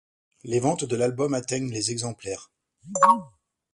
Les ventes de l’album atteignent les exemplaires.